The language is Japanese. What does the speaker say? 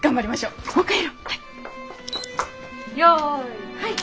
よいはい。